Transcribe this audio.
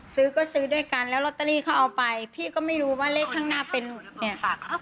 ซื้อก็ซื้อด้วยกันแล้วลอตเตอรี่เขาเอาไปพี่ก็ไม่รู้ว่าเลขข้างหน้าเป็นเนี่ยค่ะ